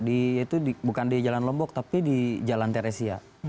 itu bukan di jalan lombok tapi di jalan teresia